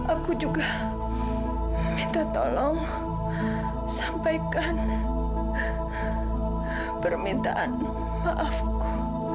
aku juga minta tolong sampaikan permintaanmu maafku